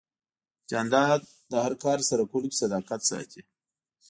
جانداد د هر کار ترسره کولو کې صداقت ساتي.